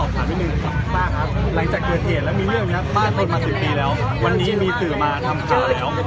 ป้าครับหลังจากเกิดเหตุแล้วมีเรื่องนี้ครับบ้านคนมา๑๐ปีแล้ววันนี้มีสื่อมาทำการแล้ว